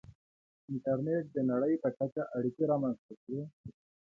• انټرنېټ د نړۍ په کچه اړیکې رامنځته کړې.